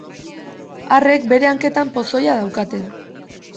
Arrek bere hanketan pozoia daukate.